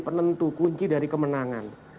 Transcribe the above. penentu kunci dari kemenangan